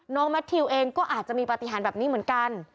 แมททิวเองก็อาจจะมีปฏิหารแบบนี้เหมือนกัน